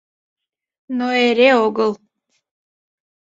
Но эре огыл.